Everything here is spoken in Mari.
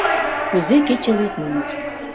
Кузе кече лекмым ужын